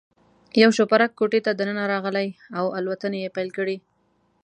یو شوپرک کوټې ته دننه راغلی او الوتنې یې پیل کړې.